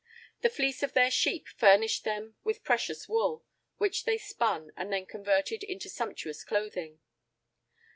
The fleece of their sheep furnished them with precious wool, which they spun, and then converted into sumptuous clothing.